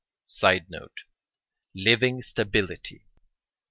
[Sidenote: Living stability.